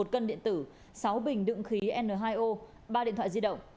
một cân điện tử sáu bình đựng khí n hai o ba điện thoại di động